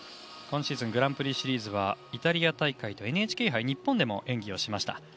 今シーズングランプリシリーズはイタリア大会とＮＨＫ杯で日本でも演技をしました。